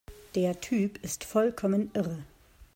Der Typ ist vollkommen irre!